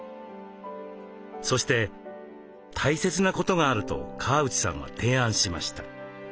そして大切なことがあると川内さんは提案しました。